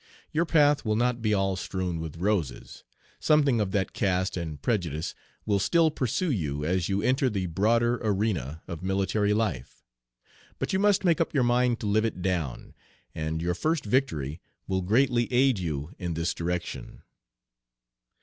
Your path will not be all strewn with roses; something of that caste and prejudice will still pursue you as you enter the broader arena of military life, but you must make up your mind to live it down, and your first victory will greatly aid you in this direction.